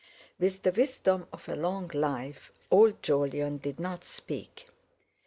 With the wisdom of a long life old Jolyon did not speak.